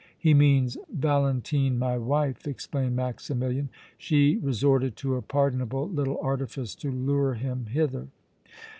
"He means Valentine, my wife," explained Maximilian. "She resorted to a pardonable little artifice to lure him hither."